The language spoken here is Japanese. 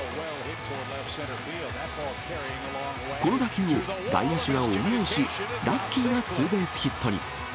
この打球を外野手がお見合いし、ラッキーなツーベースヒットに。